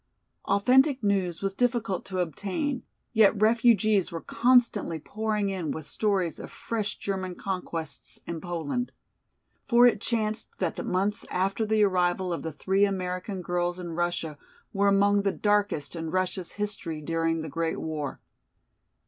Authentic news was difficult to obtain, yet refugees were constantly pouring in with stories of fresh German conquests in Poland. For it chanced that the months after the arrival of the three American girls in Russia were among the darkest in Russia's history during the great war.